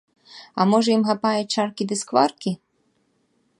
А можа ім хапае чаркі ды скваркі?